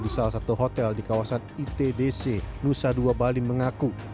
di salah satu hotel di kawasan itdc nusa dua bali mengaku